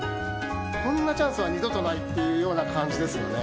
こんなチャンスは二度とないっていうような感じですよね。